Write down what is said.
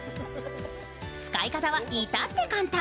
使い方は至って簡単。